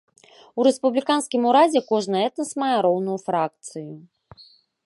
У рэспубліканскім урадзе кожны этнас мае роўную фракцыю.